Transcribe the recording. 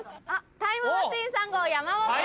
タイムマシーン３号・山本さん！